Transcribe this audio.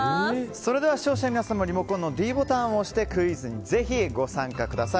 それでは視聴者の皆様はリモコンのｄボタンを押してクイズに、ぜひご参加ください。